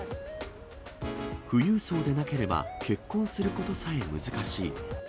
富裕層でなければ結婚することさえ難しい。